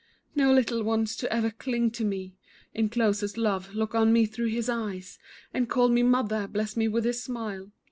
"No little ones to ever cling to me In closest love, look on me through his eyes And call me mother, bless me with his smile."